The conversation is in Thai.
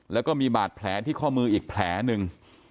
แล้วก็มีบาดแผลที่ข้อมืออีกแผลหนึ่ง